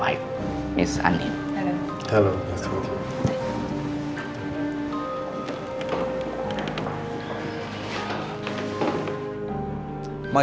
jadi datang lho kita